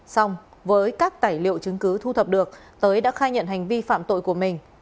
xong với các tài liệu chứng cứ thu thập được tới đã khai nhận hành vi phạm tội của mình